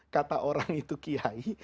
kata orang itu kiai